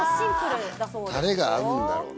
タレが合うんだろうな。